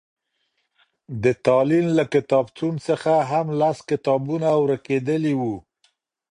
د تالين له کتابتون څخه هم لس کتابونه ورکېدلي وو.